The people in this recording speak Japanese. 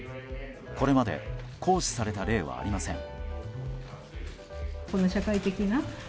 これまで行使された例はありません。